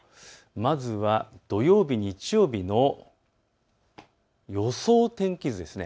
まずは土曜日、日曜日の予想天気図です。